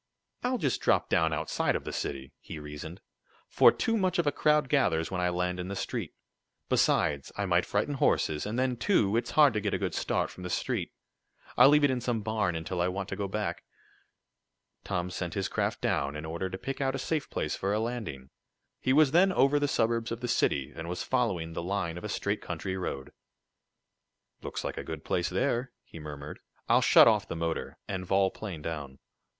"I'll just drop down outside of the city," he reasoned, "for too much of a crowd gathers when I land in the street. Besides I might frighten horses, and then, too, it's hard to get a good start from the street. I'll leave it in some barn until I want to go back." Tom sent his craft down, in order to pick out a safe place for a landing. He was then over the suburbs of the city, and was following the line of a straight country road. "Looks like a good place there," he murmured. "I'll shut off the motor, and vol plane down."